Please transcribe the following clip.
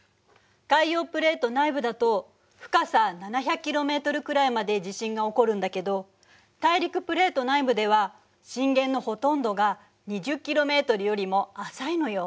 海洋プレート内部だと深さ７００ｋｍくらいまで地震が起こるんだけど大陸プレート内部では震源のほとんどが２０ｋｍよりも浅いのよ。